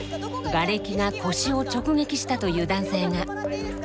がれきが腰を直撃したという男性が。